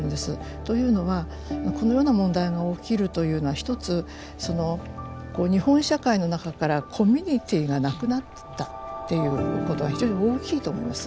というのはこのような問題が起きるというのはひとつ日本社会の中からコミュニティーがなくなったっていうことが非常に大きいと思います。